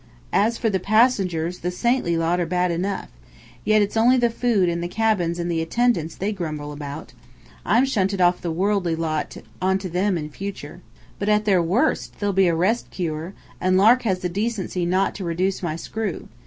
As for the passengers, the saintly lot are bad enough. Yet it's only the food and the cabins and the attendance they grumble about. I'm shunted off the worldly lot onto them in future. But at their worst, they'll be a rest cure! and Lark has the decency not to reduce my screw.